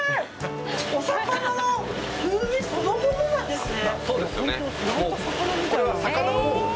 お魚の風味そのものなんですね。